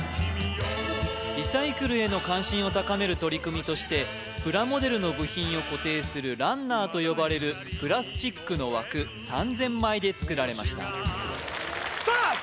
リサイクルへの関心を高める取り組みとしてプラモデルの部品を固定するランナーと呼ばれるプラスチックの枠３０００枚で作られましたさあ